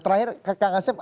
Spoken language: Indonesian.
terakhir kak kasem